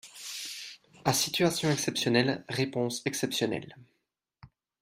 À situation exceptionnelle, réponses exceptionnelles.